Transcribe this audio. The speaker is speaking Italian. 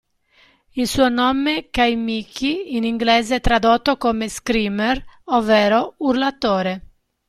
Il suo nome Kaimichi, in inglese tradotto come screamer, ovvero urlatore.